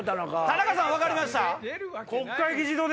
田中さん分かりました？